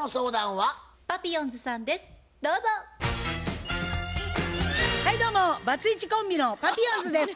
はいどうもバツイチコンビのパピヨンズです。